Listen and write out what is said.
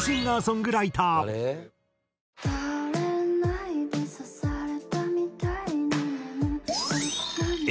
「倒れないで刺されたみたいね」